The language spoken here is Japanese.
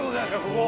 ここ！